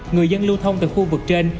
người dân lưu thông tại khu vực trên